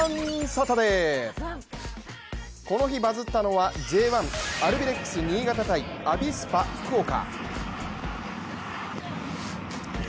この日バズったのはＪ１アルビレックス新潟×アビスパ福岡。